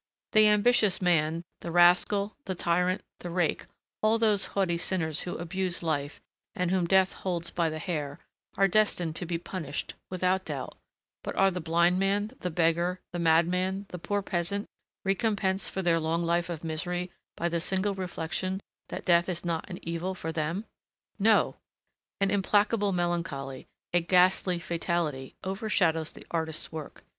The ambitious man, the rascal, the tyrant, the rake, all those haughty sinners who abuse life, and whom Death holds by the hair, are destined to be punished, without doubt; but are the blind man, the beggar, the madman, the poor peasant, recompensed for their long life of misery by the single reflection that death is not an evil for them? No! An implacable melancholy, a ghastly fatality, overshadows the artist's work.